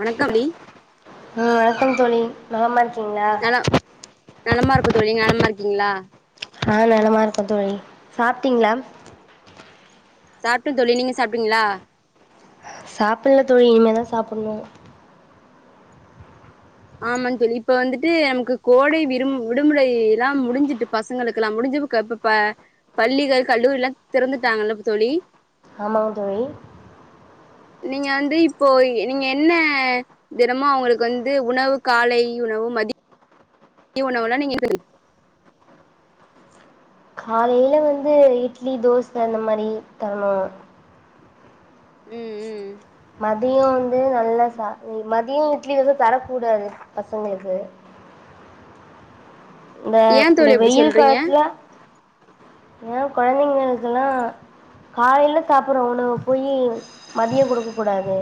வணக்கம் தோழி ஆ கோ தொழி நாம ங்ளா தொழி நலமா இருக்கீங்களா ஆ நலமா இருக்கோ தோழி சாப்ட்டீங்களா சாப்ட்டே தோலி நீங்க சாப்ட்டீங்களா சாப்பில்ல தொழி இனிமதா சாப்பிணு ஆமாங்க தோழி இப்ப வந்துட்டு நமக்கு கோடை வி விடுமுறைலா முடிஞ்சுட்டு பசங்களுக்குக்கெலா முடிஞ்ச இப்ப பள்ளிகள் கல்லூரிலா திறந்துட்டாங்கல்ல இப்ப தோழி ஆமாங்க தோழி நீங்க வந்து இப்போ நீங்க என்ன தினமோ உங்களுக்கு வந்து உணவு காளை உணவு மதி ய உணவுலா நீங்க [unintelligible] காலேல வந்து இட்லி தோச அந்த மாரி தரணு உ உ மதியோ வந்து நல்லா சா மதியோ இட்லி வந்து தரக்கூடாது பசங்களுக்கு இந்த ஏ இந்த தோழி அப்டி வெயில் சொல்றீங்க காலத்துல ஏ கொழந்தைங்களுக்கெலா காலைல சாப்பிட்ற உணவ போயி மதியோ குடுக்க கூடாது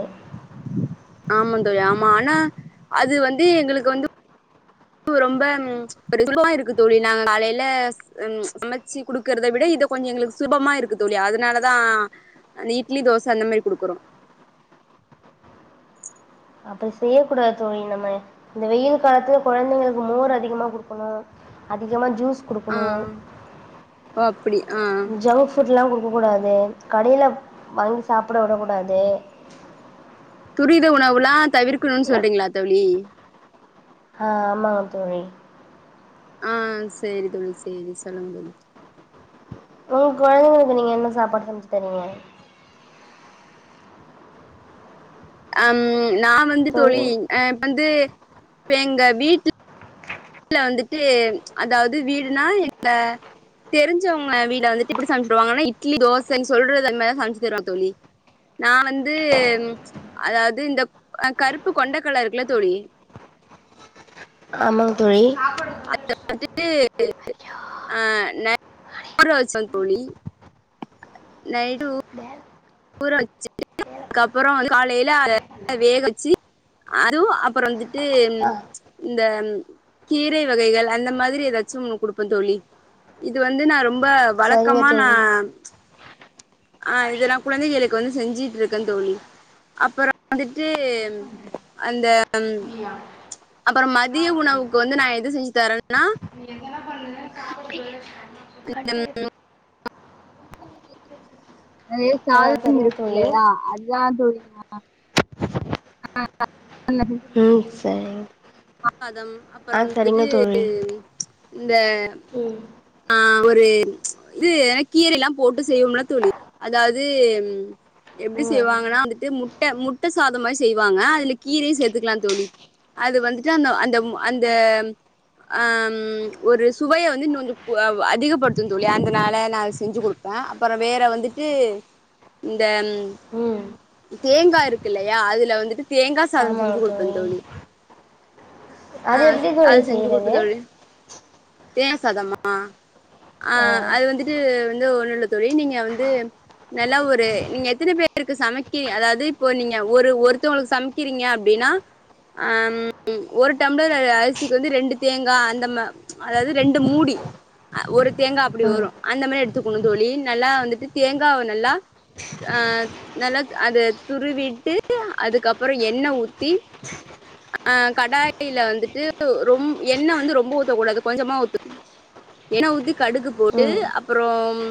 ஆமா தோழிஆமா ஆனா அது வந்து எங்களுக்கு வந்து ரொம்ப ஒரு சுமா இருக்கு தோழி நாங்க காலைல [unintelligible] சமைச்சு குடுக்கறதை விட இத கொஞ்ச எங்களுக்கு சுலபமா இருக்கு தோழி அதனாலதா அந்த இட்லி தோச அந்த மாரி குடுக்குறோ அப்டி செய்யக்கூடாது தோழி நம்ம இந்த வெயில் காலத்துல கொழந்தைங்களுக்கு மோர் அதிகமா குடுக்கணு அதிகமா ஜூஸ் ஆ குடுக்கனு ஓ அப்டி ஆ ஜங்க் ஃபுட்லா குடு போ கூடாது கடையில வாங்கி சாப்பிட விடக் கூடாது துரித உணவுலா தவிர்க்கணும்னு சொல்றீங்களா தோழி ஆ மா தோழி ஆ சேரி தோழி சேரி சொல்லுங்க தோழி உங்க கொழந்தைங்களுக்கு நீங்க என்ன சாப்பாடு சமச்சு தருவீங்க அம் நா வந்து தோழி அ இப் வந்து இப்ப எங்க வீட்ல வீட்ல வந்துட்டு அதாவது வீடுனா எங்க தெருஞ்சவங்க வீடுல வந்துட்டு எப்டி சமைக்குவாங்கன்னா இட்லி தோசன் சொல்றது மாரி சமச்சு தருவாங் தோழி நா வந்து அதாவது இந்த கருப்பு கொண்டக்கல்ல இருக்குல்ல தோழி ஆமாங் தோழி அது வந்துட்டு அ நைட் ஊற வெச்சோங் தோழி நைட்டு ஊ ஊற வெச்சுட்டு அதுக்கப்புறோ வந்து காலையில அத வேக வெச்சு அதுவு அப்புறோ வந்துட்டு ஆ இந்த கீரை வகைகள் அந்த மாதிரி ஏதாச்சும் குடுப்பந் தோழி இது வந்து நா ரொம் ரொம்ப சரிங்க வழக்கமா நா தோழி ஆ இதெல்லா குழந்தைகளுக்கு வந்து செஞ்சுட்டு இருக்கந் தோழி அப்புறோ வந்துட்டு அந்த அப்புறோ மதிய உணவுக்கு வந்து நா எது செஞ்சு தரன்னா [unintelligible] [inaudible] அதயே ஆ சாதனம் சரிங்க இருக்கு தோழி இல்லையா அதாந் தோழி வ [inaudible] ம் சரிங் பாதாம் அப்புறோ வந்துட்டு தோழி இந்த ஒரு இது ஏனா கீரயெல்லாம் போட்டு செய்வோம்ல தோழி அதாவது எப்டி ம் செய்வாங்கன்னா ம் வந்துட்டு முட்ட முட்ட சாதோ மாரி செய்வாங்க அதுல கீரயு சேத்துக்கலாந் தோழி அது வந்துட் து அந்தோ அந்தம் அந்தம் ஆம் ஒரு சுவைய வந்து இன்னு கொஞ்சோ அதிகப்படுத்துந் தோழி அதனால நா அத செஞ்சு கொடுப்ப அப்பறோ வேற வந்துட்டு இந்த ம் தேங்கா இருக்கு இல்லையா அதுல வந்துட்டு தேங்காஸ் சாதம் செஞ்சு குடுப்பந் தோழி ஆ அது எப்டி தோழி அது செஞ்சு குடுப்பே செய்றது தோழி தேங்கா சாதமா ஆ அது வந்துட்டு வந்து ஒண்ணுல்ல தோழி நீங்க வந்து நல்லா ஒரு நீங்க எத்துன பேருக்கு சமைக்கிறீங்க அதாவது இப்போ நீங்க ஒரு ஒருத்தவங்களுக்கு சமைக்கிறீங்க அப்டின்னா அம் ம் ஒரு டம்ளர் அரிசிக்கு வந்து ரெண்டு தேங்கா அந்த மா அதாவது ரெண்டு மூடி ஒரு தேங்கா அப்டி ம் வரு அந்த மாரி எடுத்துக்கணு தோழி நல்லா வந்துட்டு தேங்காவ நல்லா அ நல்லா அத துருவிட்டு அதுக்கப்பறோ எண்ண ஊத்தி ஆ கடாயில வந்துட்டு ரொம் எண்ண வந்து ரொம்ப ஊத்தக்கூடாது கொஞ்சமா ஊத்துனு எண்ண ஊத்தி கடுகு போட்டு ம் அப்பறம்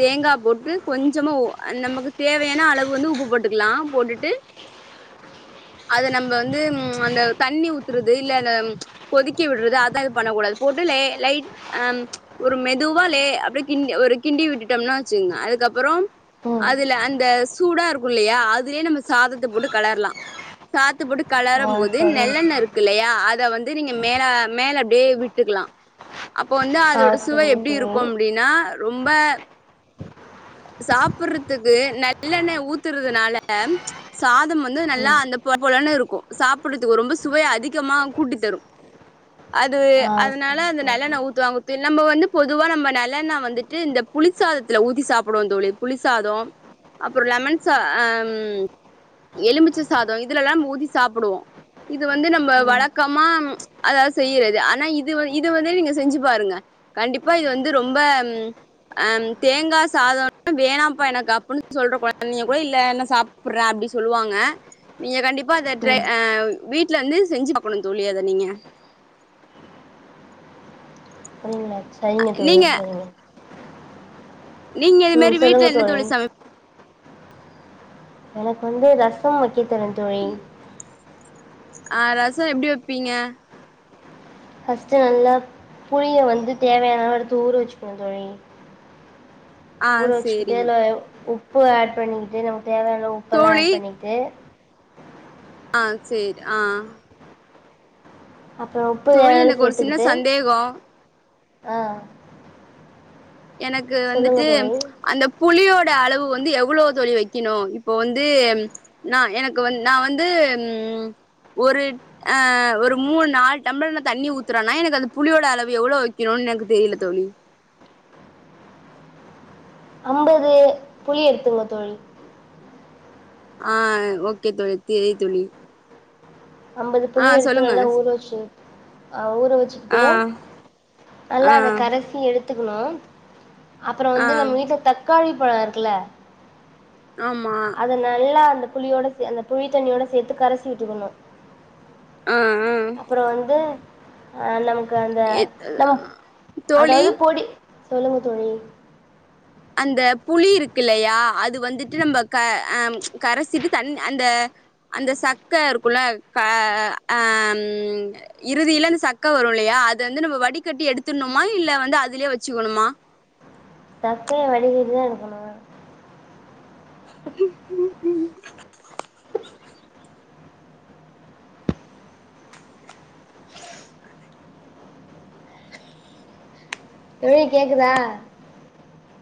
தேங்கா போட்டு கொஞ்சமா நமக்கு தேவையான அளவு வந்து உப்பு போட்டுக்கலா போட்டுட்டு அத நம்ப வந்து அந்த தண்ணி ஊத்துறது இல்ல அத கொதிக்க விடுறது அதா எது பண்ணக்கூடாது போட்டு லே லை ஆ ஒரு மெதுவா லே அப்டியே கிண்டி ஒரு கிண்டி விட்டுட்டோம்னா வெச்சுக்கங்க அதுக்கப்பறோம் ம் அதுல அந்த சூடா இருக்கு இல்லையா அதுலயே நம்ம சாதத்த போட்டு கலர்லா சாதத்த போட்டு ஆ கலரும் போது சரிங்க நெல் இருக்கு இல்லையா அத வந்து நீங்க மேல மேல அப்டியே விட்டுக்கலா அப்போ வந்து ஆ அதோட சுவை சரிங்க எப்டி தோழி இருக்கும் அப்டின்னா ரொம்ப சாப்புறத்துக்கு நல்லெண்ணய ஊத்துறதுனால சாதம் வந்து நல்லா ம் அந்த பொல பொலன்னு இருக்கு சாப்புறத்துக்கு ரொம்பஸ் சுவை அதிகமா கூட்டி தரும் அது ஆ அதனால சரி அந்த சரி நல்லெண்ண ஊத்துவாங்க நம்ம வந்து பொதுவா நம்ம நல்லெண்ண வந்துட்டு இந்த புளி சாதத்துல ஊத்தி சாப்புடுவோந் தோழி புளி சாதோ அப்பறோ லெமன் சா எலுமிச்ச சாதோ இதுலல்லாம் நாம் ஊத்தி சாப்புடுவோ இது வந்து நம்ம ம் வழக்கமா அதாவது செய்யறது ஆனா இது வந்து இது வந்து நீங்க செஞ்சு பாருங்க கண்டிப்பா இது வந்து ரொம்ப அ தேங்கா சாதோனா வேணாம்ப்பா எனக்கு அப்டின் சொல்ற கொழந்தைங்க கூட இல்ல நா சாப்புற அப்டி சொல்லுவாங்க நீங்க கண்டிப்பா அத ட்ரை ம் அ வீட்ல வந்து செஞ்சு பாக்கணு தோழி அத நீங்க அப்டிங்களா சரிங்க தோழி நீங்க சரிங்க நீங்க இது ம் மேரி வீட்ல சொல்லுங்க என்ன தோழி சமை எனக்கு வந்து ரசொ வக்க தெரியு தோழி அ ரசொ எப்டி வப்பீங்க ஃபர்ஸ்ட்டு நல்லா புளிய வந்து தேவையான அளவு எடுத்து ஊற வச்சுக்கணு தோழி ஆ ஊற சேரி வச்சுக்குட்டேனாய உப் பு ஆட் பண்ணிக்கிட்டு ந தேவையானளவு உப்பெல்லா தோழி ஆட் பண்ணிட்டு ஆ சேரி ஆ அப்றோ உப்பு தோழி [unintelligible] எனக்கு ஒரு சின்ன சேத்துக்கிட்டு சந்தேகோ ஆ எனக்கு சொல்லுங்க வந்துட்டு தோழி அந்த புளியோ ட அளவு வந்து எவ்ளோ தோழி வெக்கணு இப்போ வந்து நா எனக்கு வந் நா வந்து ம் ஒரு ஆ ஒரு மூணு நாலு டம்ளர்ல தண்ணி ஊத்துறன்னா எனக்கு அந்த புளியோட அளவு எவ்ளோ வக்கணுன் எனக்கு தெரில தோழி அம்பது புளி எடுத்துங்க தோழி ஆ ஓகே தோழி தெரியி தோழி அம்பது ஆ புளி எடுத்து சொல்லுங்க நல்லா ஊற வச்சு அ ஊற வச்சுட்டு ஆ நல்லா ஆ அத கரசி எடுத் த்துக்கணு அப்பறோ ஆ வந்து நம்ம வீட்ல த க்காளிப்பழொ இருக்குல்ல ஆமா அத நல்லா த புளியோட சே அந்தப் புளித் தண்ணியோட சேத்து கரசி விட்டுக்கணு ஆ ஆ அப்புறோ வந்து அ நமக்கு அந்த எ நம் தோழி அதாவ்து பொடி சொல்லுங்க தோழி அந்த புளி இருக்குல்லயா அது வந்துட்டு நம்ம க அ கரசிட்டு தன் அந்த அந்த சக்க இருக்குல்ல க அ ம் இறுதில அந்த சக்க வருல்லயா அத வந்து நம்ம வடிகட்டி எடுத்துட்ணுமா இல்ல வந்து அதுலயே வச்சுக்கணுமா சக்கய வடிகட்டி தா எடுக்கணு தோழி கேக்குதா